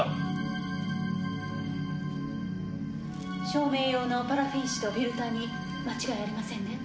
照明用のパラフィン紙とフィルターに間違いありませんね？